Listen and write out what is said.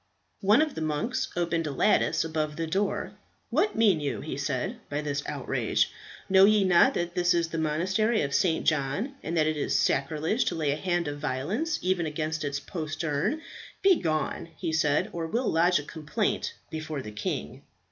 One of the monks opened a lattice above the door. "What mean you," he said, "by this outrage? Know ye not that this is the Monastery of St. John, and that it is sacrilege to lay a hand of violence even against its postern? Begone," he said, "or we'll lodge a complaint before the king."